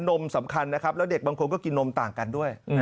นมสำคัญนะครับแล้วเด็กบางคนก็กินนมต่างกันด้วย